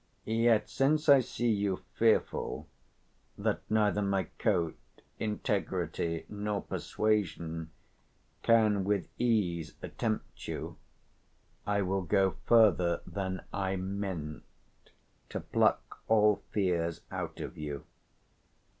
Yet since I see you fearful, that neither my coat, integrity, nor persuasion can with ease attempt you, I will go further than I 180 meant, to pluck all fears out of you.